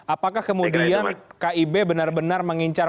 apakah kemudian kib benar benar mengincar